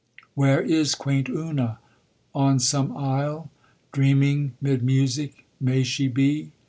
Where is quaint Una? On some isle, Dreaming 'mid music, may she be?